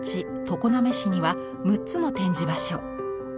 常滑市には６つの展示場所。